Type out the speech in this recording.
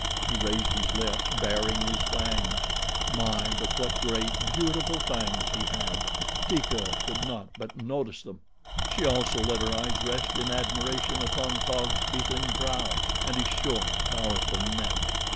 He raised his lips, baring his fangs. My, but what great, beautiful fangs he had! Teeka could not but notice them. She also let her eyes rest in admiration upon Taug's beetling brows and his short, powerful neck.